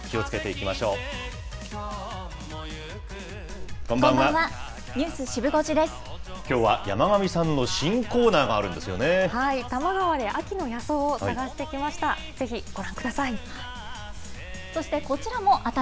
きょうは山神さんの新コーナ多摩川で秋の野草を探してきました。